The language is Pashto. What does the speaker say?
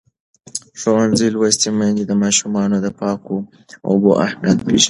ښوونځې لوستې میندې د ماشومانو د پاکو اوبو اهمیت پېژني.